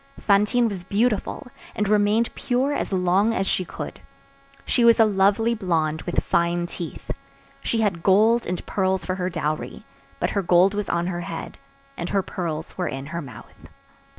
Fantine was beautiful, and remained pure as long as she could. She was a lovely blonde, with fine teeth. She had gold and pearls for her dowry; but her gold was on her head, and her pearls were in her mouth.